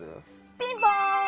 ピンポーン！